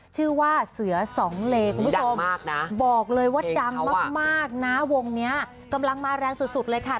ชื่อว่าเสือสองเลคุณผู้ชมบอกเลยว่าดังมากนะวงนี้กำลังมาแรงสุดเลยค่ะ